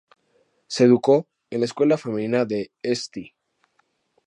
Se educó en la escuela femenina St.